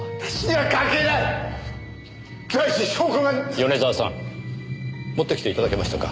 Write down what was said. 米沢さん持ってきて頂けましたか？